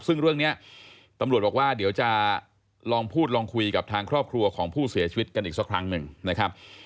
ซึ่งเรื่องนี้ตำรวจบอกว่าเดี๋ยวจะลองพูดลองคุยกับทางครอบครัวของผู้เสียชีวิตกันอีกสักครั้งหนึ่งนะครับ